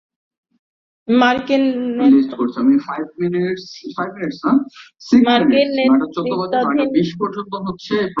মার্কিন নেতৃত্বাধীন সামরিক জোট ন্যাটোর সদস্যদেশটিতে দীর্ঘস্থায়ী বিশৃঙ্খলার আশঙ্কা দেখা দিয়েছে।